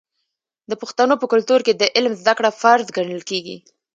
د پښتنو په کلتور کې د علم زده کړه فرض ګڼل کیږي.